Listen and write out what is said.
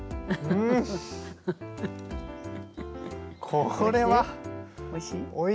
これはおいしいですよ。